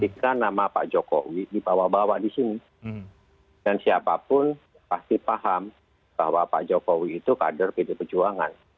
ketika nama pak jokowi dibawa bawa di sini dan siapapun pasti paham bahwa pak jokowi itu kader pdi perjuangan